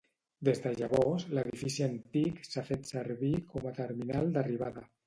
Des de llavors, l'edifici antic s'ha fet servir com a terminal d'arribada.